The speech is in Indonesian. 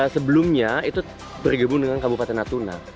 sebelumnya itu bergabung dengan kabupaten natuna